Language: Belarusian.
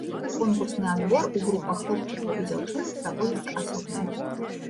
Конкурсны адбор у групах хлопчыкаў і дзяўчынак праводзіцца асобна.